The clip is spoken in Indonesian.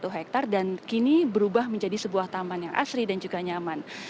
satu hektare dan kini berubah menjadi sebuah taman yang asri dan juga nyaman